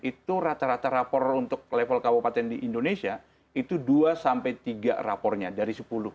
itu rata rata rapor untuk level kabupaten di indonesia itu dua sampai tiga rapornya dari sepuluh